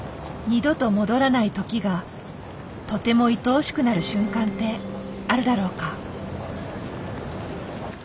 二度と戻らない時がとてもいとおしくなる瞬間ってあるだろうか。